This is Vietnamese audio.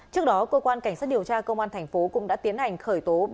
trước đó cơ quan cảnh sát điều tra công an thành phố cũng đã tiến hành khởi tố